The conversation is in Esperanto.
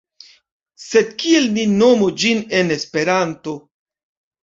Sed kiel ni nomu ĝin en Esperanto?